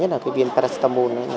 nhất là viên paracetamol